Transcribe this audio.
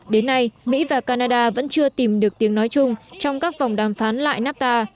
đến nay mỹ và canada vẫn chưa tìm được tiếng nói chung trong các vòng đàm phán lại nafta